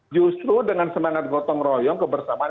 justru dengan semangat gotong royong kebersamaan